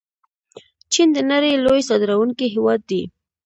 چین د نړۍ لوی صادروونکی هیواد دی.